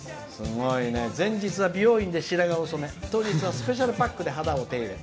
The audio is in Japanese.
前日は美容院で白髪を染め当日はスペシャルパックで肌を手入れ